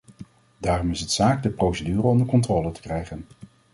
Daarom is het zaak de procedure onder controle te krijgen.